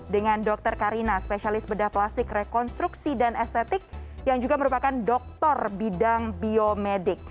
dengan dr karina spesialis bedah plastik rekonstruksi dan estetik yang juga merupakan doktor bidang biomedik